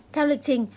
theo lịch trình